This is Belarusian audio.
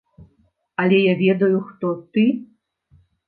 Але я ведаю, хто ты.